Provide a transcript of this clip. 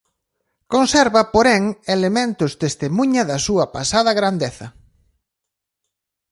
Conserva porén elementos testemuña da súa pasada grandeza.